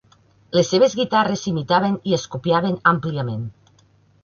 Les seves guitarres s'imitaven i es copiaven àmpliament.